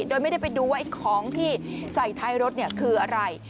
โดยไม่ได้ไปดูว่าไอ้ของที่ใส่ท้ายรถคืออะไร